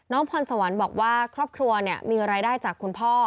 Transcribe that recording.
พรสวรรค์บอกว่าครอบครัวมีรายได้จากคุณพ่อ